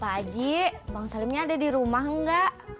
pak haji bang salimnya ada di rumah gak